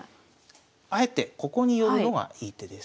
あえてここに寄るのがいい手です。